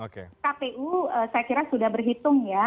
kpu saya kira sudah berhitung ya